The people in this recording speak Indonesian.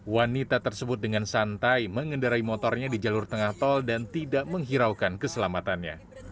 wanita tersebut dengan santai mengendarai motornya di jalur tengah tol dan tidak menghiraukan keselamatannya